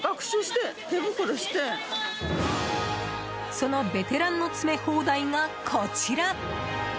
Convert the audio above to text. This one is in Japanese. そのベテランの詰め放題がこちら。